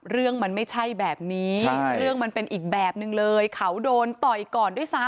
เรื่องมันไม่ใช่แบบนี้เรื่องมันเป็นอีกแบบนึงเลยเขาโดนต่อยก่อนด้วยซ้ำ